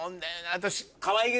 私。